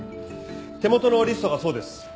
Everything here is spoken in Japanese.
手元のリストがそうです。